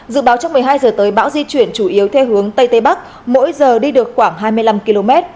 dự báo trong một mươi hai h tới bão di chuyển chủ yếu theo hướng tây tây bắc mỗi giờ đi được khoảng hai mươi năm km